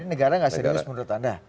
jadi negara tidak serius menurut anda